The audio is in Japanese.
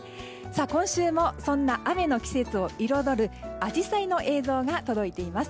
今週もそんな雨の季節を彩るアジサイの映像が届いています。